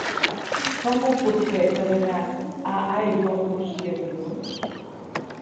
Com ho puc fer per anar a Aiguamúrcia dilluns?